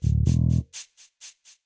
kita cari tempat lebih rame yuk